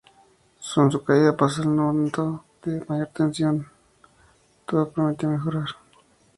Con su caída, pasó el momento de mayor tensión, todo prometía mejorar.